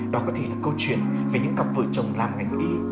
đó có thể là câu chuyện về những cặp vợ chồng làm ngành y